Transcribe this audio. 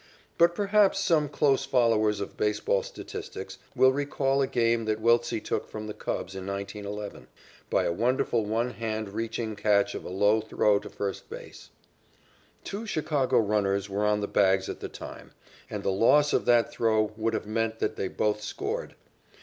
But perhaps some close followers of baseball statistics will recall a game that Wiltse took from the Cubs in 1911 by a wonderful one hand reaching catch of a low throw to first base. Two Chicago runners were on the bags at the time and the loss of that throw would have meant that they both scored.